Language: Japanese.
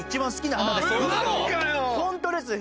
ホントです